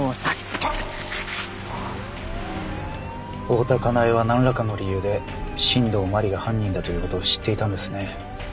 大多香苗はなんらかの理由で新道真理が犯人だという事を知っていたんですね。